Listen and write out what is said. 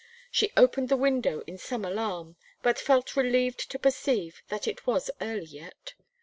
She opened the window in some alarm; but felt relieved to perceive that it was early yet.